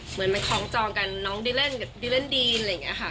เหมือนมันคล้องจองกันน้องดีเล่นกับดิเล่นดีนอะไรอย่างนี้ค่ะ